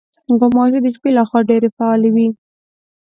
غوماشې د شپې له خوا ډېرې فعالې وي.